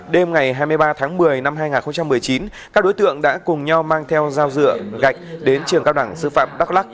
đêm ngày hai mươi ba tháng một mươi năm hai nghìn một mươi chín các đối tượng đã cùng nhau mang theo dao dựa gạch đến trường cao đẳng sư phạm đắk lắc